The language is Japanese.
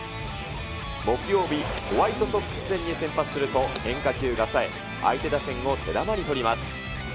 木曜日、ホワイトソックス戦に先発すると、変化球がさえ、相手打線を手玉に取ります。